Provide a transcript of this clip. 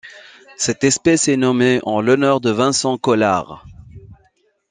Cette espèce est nommée en l'honneur de Vincenz Kollar.